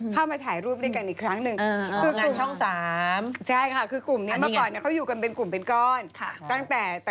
เข้ามาถ่ายรูปด้านกลางหนึ่ง